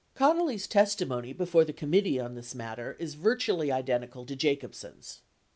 81 Connally's testimony before the committee on this matter is vir tually identical to Jacobsen's.